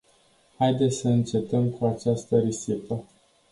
Haideți să încetăm cu această risipă!